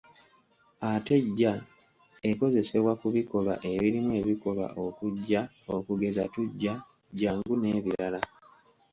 Ate “j” ekozesebwa ku bikolwa ebirimu ekikolwa okujja okugeza tujja, jangu n’ebirala.